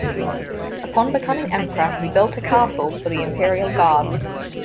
Upon becoming emperor, he built a castle for the imperial guards.